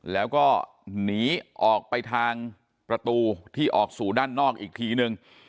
แล้วก็หนีออกไปทางประตูที่ออกสู่ด้านนอกอีกทีนึง